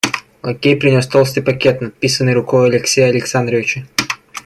Лакей принес толстый пакет, надписанный рукою Алексея Александровича.